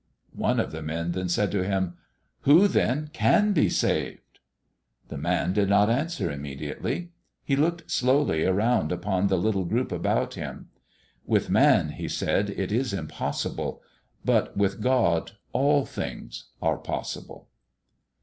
One of the men then said to Him: "Who, then, can be saved?" The Man did not answer immediately. He looked slowly around upon the little group about Him. "With man," He said, "it is impossible, but with God all things are possible."